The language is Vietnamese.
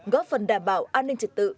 góp phần đảm bảo an ninh trực tự